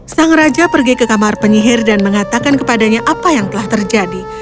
sang raja pergi ke kamar penyihir dan mengatakan kepadanya apa yang telah terjadi